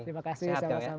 terima kasih sama sama